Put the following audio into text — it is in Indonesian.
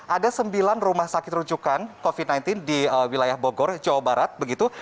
ada sembilan rumah sakit rujukan covid sembilan belas di wilayah bogor jawa barat begitu